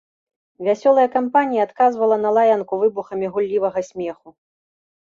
Вясёлая кампанія адказвала на лаянку выбухамі гуллівага смеху.